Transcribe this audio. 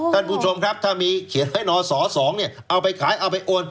ท่านผู้ชมครับถ้ามีเขียนให้นศ๒เนี่ยเอาไปขายเอาไปโอน